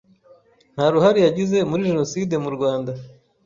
nta ruhare yagize muri Jenoside mu Rwanda